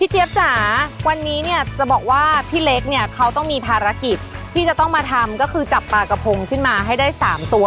เจี๊ยบจ๋าวันนี้เนี่ยจะบอกว่าพี่เล็กเนี่ยเขาต้องมีภารกิจที่จะต้องมาทำก็คือจับปลากระพงขึ้นมาให้ได้๓ตัว